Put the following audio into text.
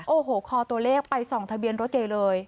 โอ้โหคอตัวเลขไปส่องทะเบียนรถใหญ่เลย